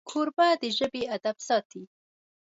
کوربه د ژبې ادب ساتي.